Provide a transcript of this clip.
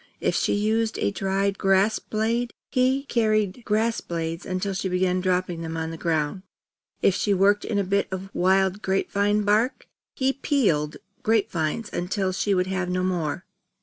If she used a dried grass blade, he carried grass blades until she began dropping them on the ground. If she worked in a bit of wild grape vine bark, he peeled grape vines until she would have no more.